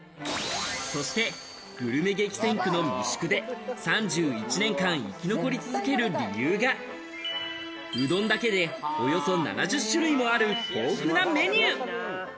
そしてグルメ激戦区の三宿で３１年間、生き残り続ける理由が、うどんだけでおよそ７０種類もある豊富なメニュー。